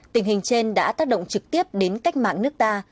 tình hình trên đã tác động trực tiếp đến cách mạng nước ta